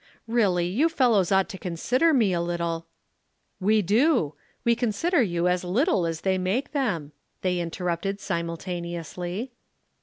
Really you fellows ought to consider me a little " "We do. We consider you as little as they make them," they interrupted simultaneously.